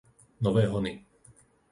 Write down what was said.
Nové Hony